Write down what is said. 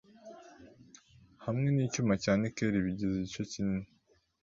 hamwe nicyuma cya nikel bigize igice kinini